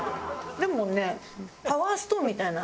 でもね。